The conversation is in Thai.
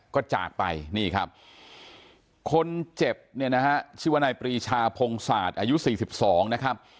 ก็จากไปนี่ครับคนเจ็บเนี่ยนะฮะชื่อว่านายปรีชาพงศาสตร์อายุ๔๒นะครับ